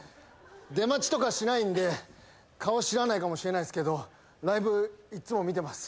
出待ちとかしないんで顔知らないかもしれないですけどライブいつも見てます。